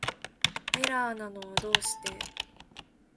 エラーなのはどうして